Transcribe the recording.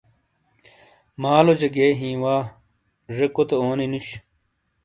مالو جے گِئے ہی وا زے کوتے اونی نُوش۔